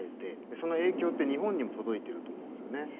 その影響って日本にも届いてると思うんですよね。